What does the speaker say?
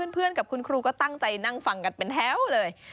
เพื่อนกับคุณครูก็ตั้งใจนั่งฟังกันเป็นแถวเลย